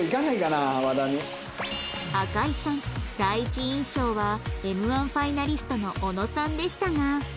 第一印象は Ｍ−１ ファイナリストの小野さんでしたが